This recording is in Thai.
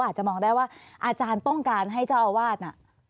อาจจะมองได้ว่าอาจารย์ต้องการให้เจ้าอาวาสน่ะ